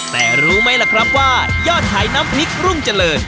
แต่รู้ไหมล่ะครับว่ายอดขายน้ำพริกรุ่งเจริญ